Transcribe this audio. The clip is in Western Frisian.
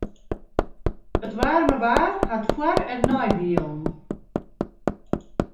It waarme waar hat foar- en neidielen.